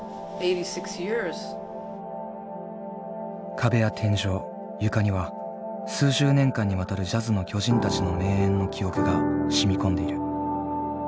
壁や天井床には数十年間にわたるジャズの巨人たちの名演の記憶が染み込んでいる。